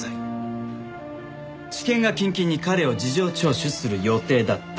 地検が近々に彼を事情聴取する予定だった。